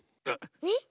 えっ？